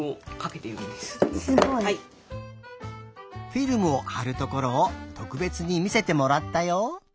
フィルムをはるところをとくべつにみせてもらったよ。